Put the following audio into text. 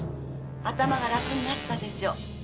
頭が楽になったでしょう。